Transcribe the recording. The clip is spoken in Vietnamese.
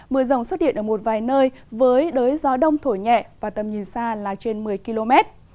mưa rồng xuất hiện ở một vài nơi với đới gió đông thổi nhẹ và tầm nhìn xa là trên một mươi km